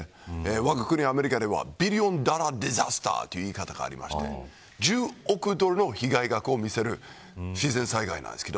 わが国、アメリカではビリオンダラーディザスターという言い方があって１０億ドルの被害額を見せる自然災害。